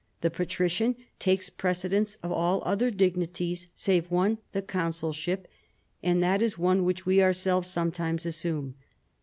The patrician takes precedence of all other dignities save one, the consulship, and that is one which we ourselves sometimes assume.